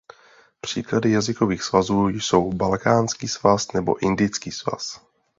Příklady jazykových svazů jsou balkánský svaz nebo indický svaz.